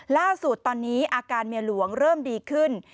ล่าสุดตอนนี้อาการเมียหลวงเริ่มดีขึ้น